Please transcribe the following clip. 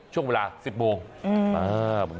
ช่วงเวลา๑๐โมง